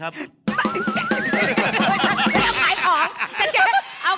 ที่จะเป็นความสุขของชาวบ้าน